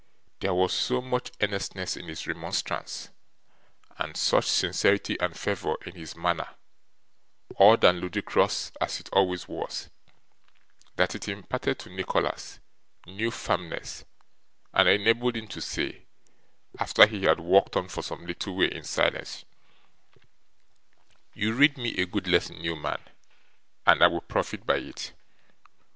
There was so much earnestness in his remonstrance, and such sincerity and fervour in his manner, odd and ludicrous as it always was, that it imparted to Nicholas new firmness, and enabled him to say, after he had walked on for some little way in silence: 'You read me a good lesson, Newman, and I will profit by it.